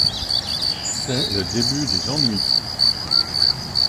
C'est le début des ennuis.